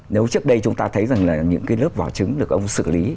nếu trước đây chúng ta thấy rằng là những cái lớp vỏ trứng được ông xử lý